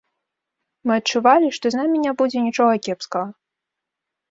Мы адчувалі, што з намі не будзе нічога кепскага.